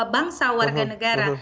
bangsa warga negara